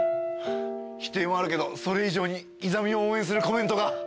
否定もあるけどそれ以上にイザミを応援するコメントが。